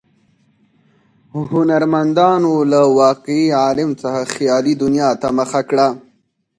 هنرمندانو له واقعي عالم څخه خیالي دنیا ته مخه کړه.